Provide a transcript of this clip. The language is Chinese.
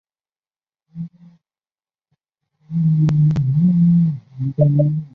伯贝克是位于美国加利福尼亚州门多西诺县的一个非建制地区。